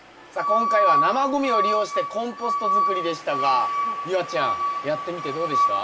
今回は生ごみを利用してコンポストづくりでしたが夕空ちゃんやってみてどうでした？